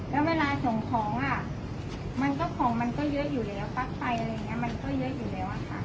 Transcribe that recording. แล้วเวลาส่งของอ่ะมันก็ของมันก็เยอะอยู่แล้วปลั๊กไฟอะไรอย่างนี้มันก็เยอะอยู่แล้วอะค่ะ